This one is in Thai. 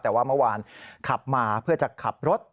แต่ว่าเมื่อวานขับมาเพื่อจะขับรถ